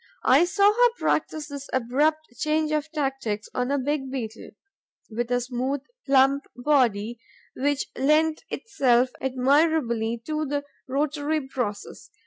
I saw her practise this abrupt change of tactics on a big Beetle, with a smooth, plump body, which lent itself admirably to the rotary process.